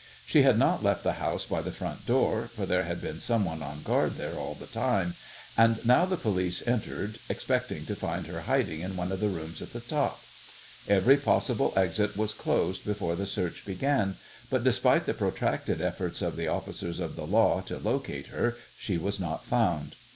She had not left the house by the front door, for there had been some one on guard there all the time, and now the police entered, expecting to find her hiding in one of the rooms at the top. Every possible exit was closed before the search began, but despite the protracted efforts of the officers of the law to locate her she was not found.